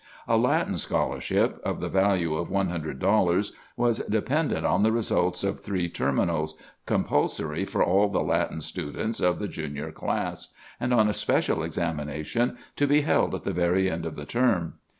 A Latin scholarship, of the value of one hundred dollars, was dependent on the results of three terminals, compulsory for all the Latin students of the Junior class, and on a special examination to be held at the very end of the term.